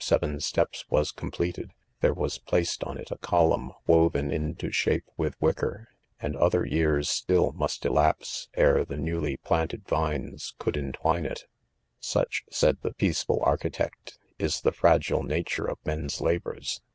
seven steps wa s completed, there was placed on it a column woven into ^hape with wicker ; and other years still must 'elapse ere. the. newly planted vines : could eri .twine it. ■•.'.■..■...••■: V Such," said the peaceful architect "is the ■.; fragile nature of • men's labors.